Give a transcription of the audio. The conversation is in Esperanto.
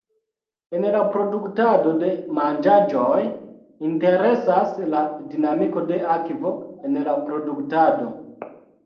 En la produktado de manĝaĵoj, interesas la dinamiko de akvo en la produktado.